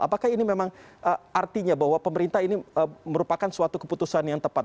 apakah ini memang artinya bahwa pemerintah ini merupakan suatu keputusan yang tepat